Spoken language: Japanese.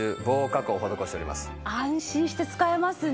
安心して使えますね。